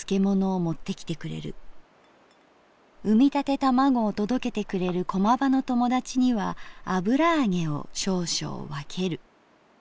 生みたて玉子を届けてくれる駒場の友達には油揚げを少々わける」。